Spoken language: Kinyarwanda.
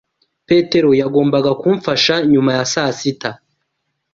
Petero yagombaga kumfasha nyuma ya saa sita.